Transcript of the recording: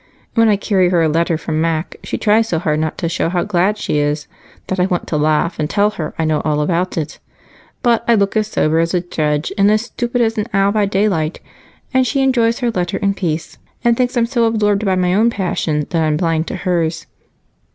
When I carry her a letter from Mac she tries so hard not to show how glad she is that I want to laugh and tell her I know all about it. But I look as sober as a judge and as stupid as an owl by daylight, and she enjoys her letters in peace and thinks I'm so absorbed in my own passion that I'm blind to hers."